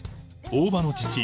大場の父